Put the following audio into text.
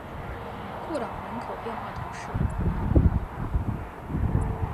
库朗人口变化图示